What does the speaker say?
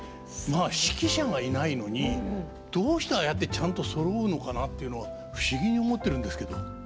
まあ指揮者がいないのにどうしてああやってちゃんとそろうのかなっていうのが不思議に思ってるんですけど。